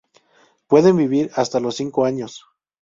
Pueden vivir hasta los cinco años.